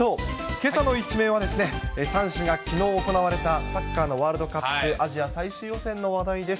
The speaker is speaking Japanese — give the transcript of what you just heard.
けさの１面はですね、３紙がきのう行われたサッカーのワールドカップアジア最終予選の話題です。